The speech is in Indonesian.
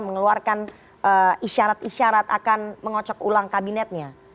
mengeluarkan isyarat isyarat akan mengocok ulang kabinetnya